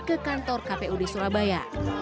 ke kantor kpud surabaya